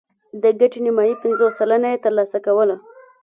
د ګټې نیمايي پنځوس سلنه یې ترلاسه کوله